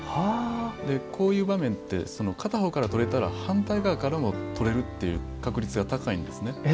こういう場面って片方から撮れたら、反対側からも撮れる確率が高いんですね。